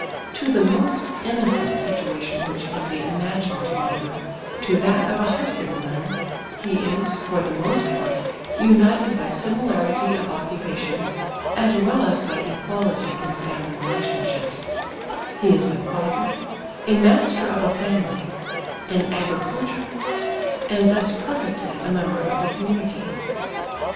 To the most innocent situa tion which can be imagined on earth, to that of a husbjind man, he is, for the most part, united by similarity of occupa tion, as well as by ecjuality in family relationships ; he is a father, a master of a lamily, an agriculturist, and thus per fectly a mend)er of the community.